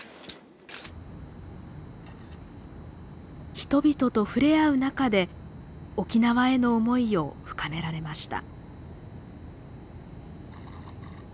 人々とふれあう中で沖縄への思いを深められました。